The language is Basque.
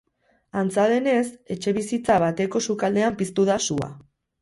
Antza denez, etxebizitza bateko sukaldean piztu da sua.